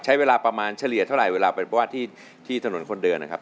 ใช้เวลาประมาณเฉลี่ยเท่าไหร่เวลาไปวาดที่ถนนคนเดินนะครับ